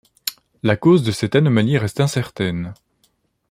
La cause de cette anomalie reste incertaine.